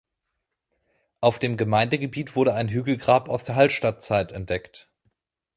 Auf dem Gemeindegebiet wurde ein Hügelgrab aus der Hallstattzeit entdeckt.